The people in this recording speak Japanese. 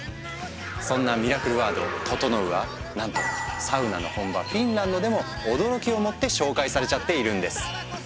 そんなミラクルワード「ととのう」はなんとサウナの本場フィンランドでも驚きをもって紹介されちゃっているんです。